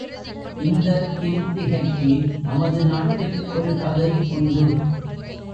இந்த கிருத்திகைக்கு நமது நாட்டில் ஒருகதை உண்டு.